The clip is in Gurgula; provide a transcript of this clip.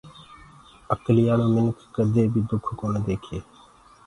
اڪليآݪو منک ڪدي بي دُک ڪونآ ديکي